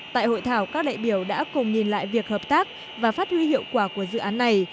tại hội thảo các đại biểu đã cùng nhìn lại việc hợp tác và phát huy hiệu quả của dự án này